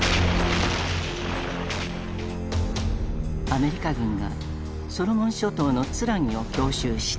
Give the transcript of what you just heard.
アメリカ軍がソロモン諸島のツラギを強襲した。